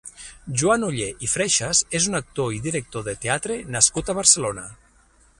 Joan Ollé i Freixas és un actor i director de teatre nascut a Barcelona.